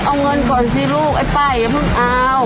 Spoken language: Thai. เอาเงินก่อนสิลูกไอ้ป้าอย่าเพิ่งเอา